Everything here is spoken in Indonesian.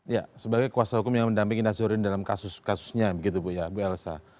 ya sebagai kuasa hukum yang mendampingi nazarudin dalam kasus kasusnya begitu bu ya bu elsa